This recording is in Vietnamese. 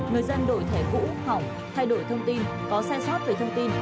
người dân đổi thẻ cũ hỏng thay đổi thông tin có xe xót về thông tin